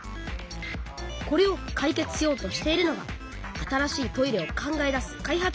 これをかい決しようとしているのが新しいトイレを考え出す開発